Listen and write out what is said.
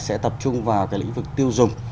sẽ tập trung vào cái lĩnh vực tiêu dùng